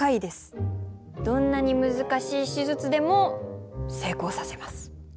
どんなに難しい手術でも成功させます。